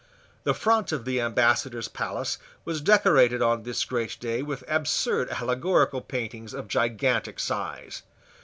The front of the Ambassador's palace was decorated on this great day with absurd allegorical paintings of gigantic size.